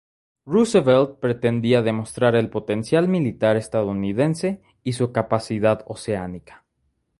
Roosevelt pretendía demostrar el potencial militar estadounidense y su capacidad oceánica.